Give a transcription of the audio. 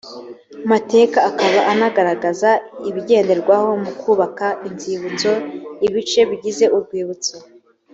mateka akaba anagaragaza ibigenderwaho mu kubaka inzibutso ibice bigize urwibutso